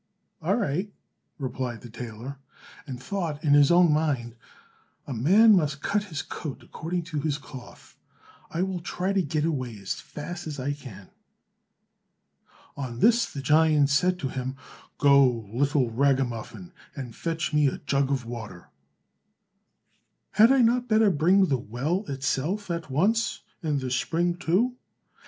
"All right," replied the tailor, and thought, in his own mind, "a man must cut his coat according to his cloth; I will try to get away as fast as I can." On this the giant said to him, "Go, little ragamuffin, and fetch me a jug of water." "Had I not better bring the well itself at once, and the spring too?"